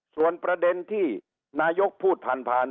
ส่วนประเด็นที่นายกพูดผ่านผ่าน